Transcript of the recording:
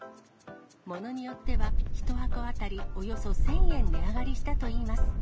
ものによっては、１箱当たりおよそ１０００円値上がりしたといいます。